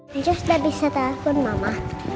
nencus udah bisa telepon mama